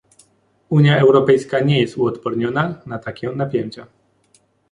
Unia Europejska nie jest uodporniona na takie napięcia